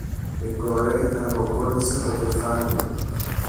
Η κόρη αργοκούνησε το κεφάλι.